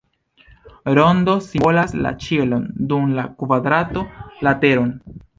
Rondo simbolas la ĉielon, dum la kvadrato la teron.